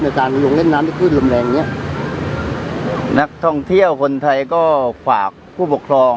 ในการยงเล่นน้ำที่คืนลมแรงอย่างเงี้ยนักท่องเที่ยวคนไทยก็ขวากผู้ปกครอง